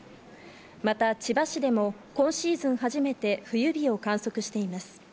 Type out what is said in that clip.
また千葉市でも今シーズン初めて冬日を観測しています。